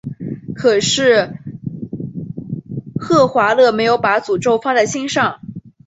可是赫华勒没有把诅咒放在心上。